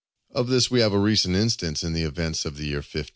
Of this we have a recent instance in the events of the year 1515.